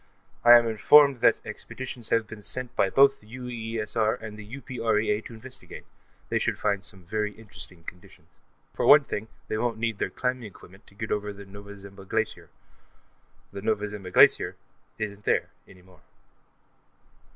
I am informed that expeditions have been sent by both the UEESR and the UPREA to investigate; they should find some very interesting conditions. For one thing, they won't need their climbing equipment to get over the Nova Zembla Glacier; the Nova Zembla Glacier isn't there, any more.